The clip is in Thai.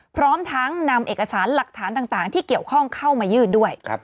พร้อมทั้งนำเอกสารหลักฐานต่างที่เกี่ยวข้องเข้ามายื่นด้วย